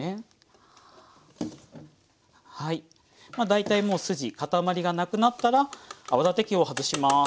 大体もう筋塊がなくなったら泡立て器を外します。